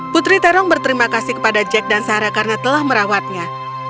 putri terong berterima kasih kepada jack dan sarah karena telah merawatnya